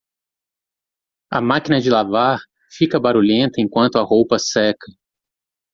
A máquina de lavar fica barulhenta enquanto a roupa seca.